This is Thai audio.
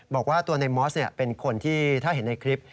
บอกว่าตัวในมอสเป็นคนที่ถ้าเห็นในคลิป